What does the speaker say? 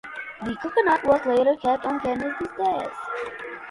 The coconut was later kept on Kennedy's desk.